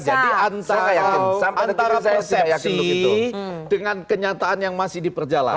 jadi antara persepsi dengan kenyataan yang masih diperjalanan